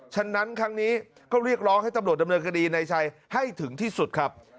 ฉะนั้นครั้งนี้ก็เรียกร้องให้ตำรวจดำเนินคดีในชัยให้ถึงที่สุดครับ